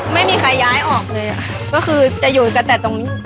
ไม่มีใครย้ายออกเลยค่ะก็คือจะอยู่กันแต่ตรงนี้